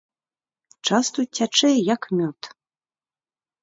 Час тут цячэ як мёд.